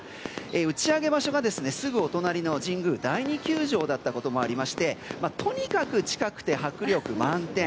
打ち上げ場所はすぐお隣の神宮第二球場だったこともありとにかく近くて迫力満点。